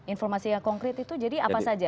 informasinya konkret itu jadi apa saja